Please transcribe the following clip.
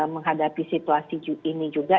menghadapi situasi ini juga